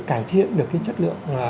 cải thiện được cái chất lượng